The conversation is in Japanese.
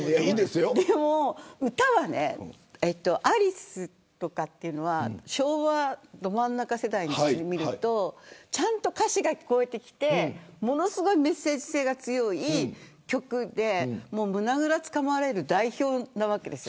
でも歌はねアリスとかっていうのは昭和ど真ん中世代にしてみるとちゃんと歌詞が聞こえてきてものすごくメッセージ性が強い曲で胸ぐらをつかまれる代表なわけです。